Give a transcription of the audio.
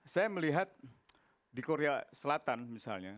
saya melihat di korea selatan misalnya